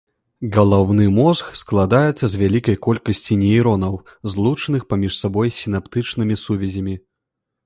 Галаўны мозг складаецца з вялікай колькасці нейронаў, злучаных паміж сабой сінаптычнымі сувязямі.